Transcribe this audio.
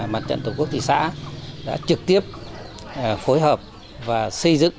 mặt trận tổ quốc thị xã đã trực tiếp phối hợp và xây dựng